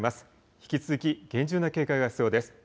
引き続き厳重な警戒が必要です。